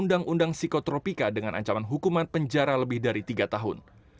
undang undang psikotropika dengan ancaman hukuman penjara lebih dari tiga tahun